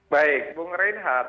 baik bu ngerenhar